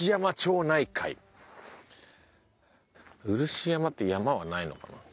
漆山っていう山はないのかな？